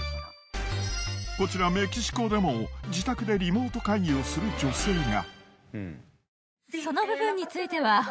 こちらメキシコでも自宅でリモート会議をする女性が。